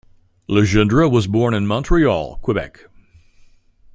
Legendre was born in Montreal, Quebec.